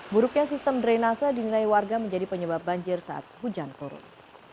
buruknya sistem drenase dinilai warga menjadi penyebab banjir saat hujan korup